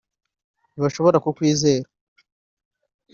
ntibashobora kukwizera